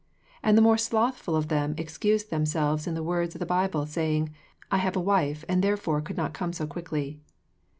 And the more slothful of them excused themselves in the words of the Bible, saying, "I have a wife, and therefore could not come so quickly."